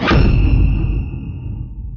dan melakukan semua ini